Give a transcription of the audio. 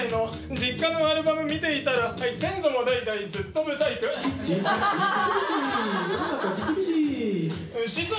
実家のアルバム見ていたら、先祖も代々ずっとぶさいく。